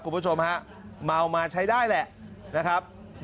คุณผู้ชมฮะ